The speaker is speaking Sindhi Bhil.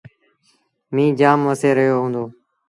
ميݩهن جآم وسي رهيو هُݩدو۔